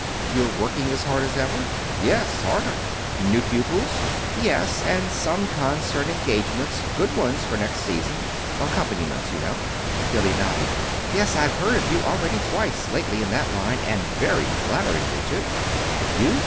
"You're working as hard as ever?" "Yes harder." "New pupils?" "Yes, and some concert engagements good ones, for next season. Accompaniments, you know." Billy nodded. "Yes; I've heard of you already twice, lately, in that line, and very flatteringly, too." "Have you?